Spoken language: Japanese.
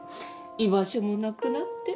居場所もなくなって。